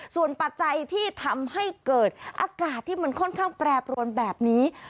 ส่วนปัจจัยที่ทำให้เกิดอากาศที่มันค่อนข้างแปรปรวนแบบนี้